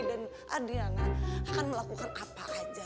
dan adriana akan melakukan apa aja